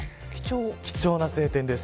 貴重な晴天です。